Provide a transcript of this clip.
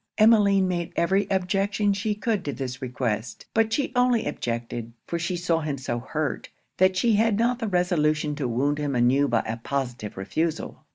Emmeline made every objection she could to this request. But she only objected; for she saw him so hurt, that she had not the resolution to wound him anew by a positive refusal.